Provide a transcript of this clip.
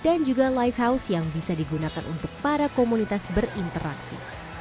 juga live house yang bisa digunakan untuk para komunitas berinteraksi